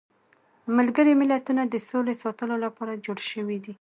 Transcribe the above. ملګري ملتونه د سولې ساتلو لپاره جوړ شویدي.